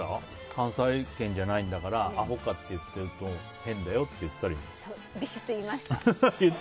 関西圏じゃないんだからアホかって言ったりするとびしっと言いました。